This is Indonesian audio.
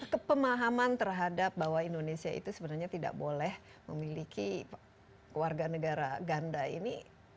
kepemahaman terhadap bahwa indonesia itu sebenarnya tidak boleh memiliki warga negara ganda ini